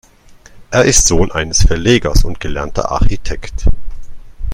Er ist Sohn eines Verlegers und gelernter Architekt.